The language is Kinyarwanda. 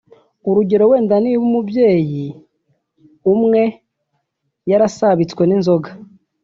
urugero wenda niba umubyeyi umwe yarasabitswe n’inzoga